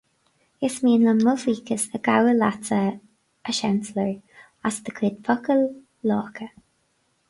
Is mian liom mo bhuíochas a ghabháil leatsa, a Seansailéir, as do chuid focail lácha